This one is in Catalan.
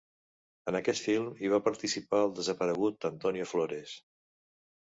En aquest film hi va participar el desaparegut Antonio Flores.